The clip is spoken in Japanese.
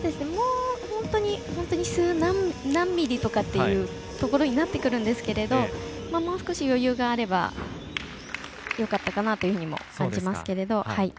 本当に何ミリとかっていうところになってくるんですけどもう少し余裕があればよかったかなというふうにも感じますけれども。